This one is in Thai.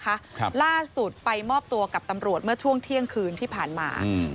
ครับล่าสุดไปมอบตัวกับตำรวจเมื่อช่วงเที่ยงคืนที่ผ่านมาอืม